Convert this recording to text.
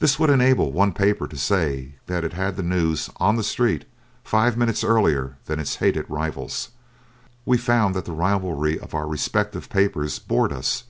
This would enable one paper to say that it had the news "on the street" five minutes earlier than its hated rivals. We found that the rivalry of our respective papers bored us.